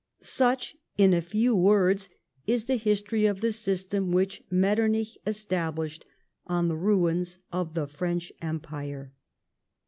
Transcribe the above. Such, in a few words, is the history of the system which Metternich established on the ruins of the French Empire.